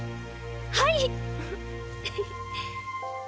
はい。